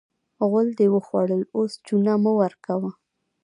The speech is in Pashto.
غول دې وخوړل؛ اوس چونه مه ورکوه.